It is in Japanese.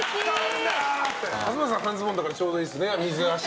勝俣さんは半ズボンだからちょうどいいですね。